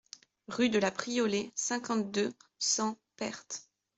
Rue de la Priolée, cinquante-deux, cent Perthes